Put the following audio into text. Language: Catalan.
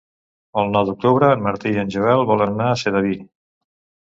El nou d'octubre en Martí i en Joel volen anar a Sedaví.